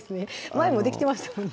前もできてましたもんね